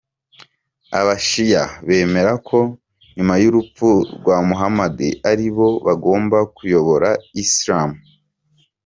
Aba shia bemera ko nyuma y’urupfu rwa Muhamadi ari bo bagombaga kuyobora isilamu.